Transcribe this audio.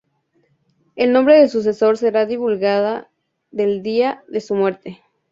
El nombre del sucesor será divulgada el día de su muerte.